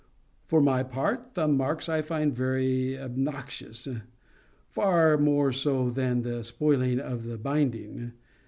For my part, thumb marks I find very obnoxious—far more so than the spoiling of the binding.